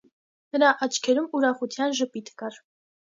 Նրա աչքերում ուրախության ժպիտ կար: